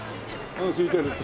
うんすいてるって。